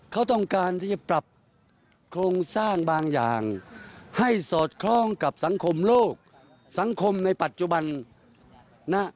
โครงสร้างบางอย่างให้สดคล้องกับสังคมโลกสังคมในปัจจุบัน